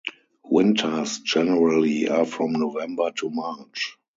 Winters generally are from November to March.